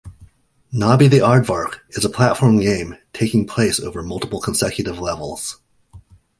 "Nobby the Aardvark" is a platform game taking place over multiple consecutive levels.